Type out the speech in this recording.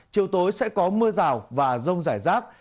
chiều tối sẽ có mưa rào và rông rải rác